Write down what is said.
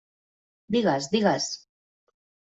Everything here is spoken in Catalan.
Digues, digues.